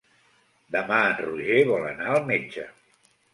Demà en Roger vol anar al metge.